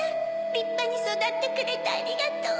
りっぱにそだってくれてありがとう。